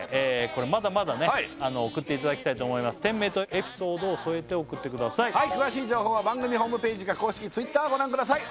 これまだまだね送っていただきたいと思います店名とエピソードを添えて送ってください詳しい情報は番組ホームページか公式Ｔｗｉｔｔｅｒをご覧ください